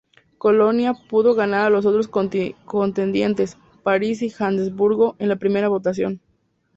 Colonia pudo ganar a los otros contendientes, París y Johannesburgo, en la primera votación.